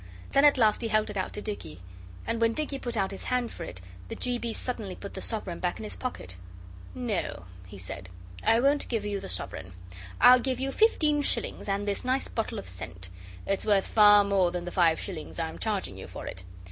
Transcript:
Then at last he held it out to Dicky, and when Dicky put out his hand for it the G. B. suddenly put the sovereign back in his pocket. 'No,' he said, 'I won't give you the sovereign. I'll give you fifteen shillings, and this nice bottle of scent. It's worth far more than the five shillings I'm charging you for it.